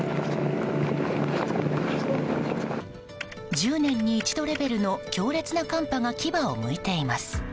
１０年に一度レベルの強烈な寒波が牙をむいています。